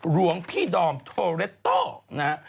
หลวงพี่ดอมโทเรตโต้นะฮะ